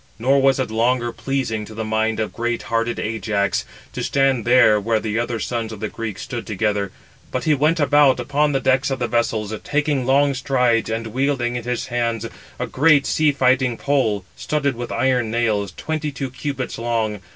Nor was it longer pleasing to the mind of great hearted Ajax to stand there where the other sons of the Greeks stood together; but he went about upon the decks of the vessels, taking long strides, and wielding in his hands a great sea fighting pole, studded with iron nails, twenty two cubits long.